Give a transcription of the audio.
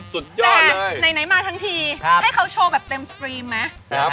แต่ไหนมาทั้งทีให้เขาโชว์แบบเต็มสตรีมไหม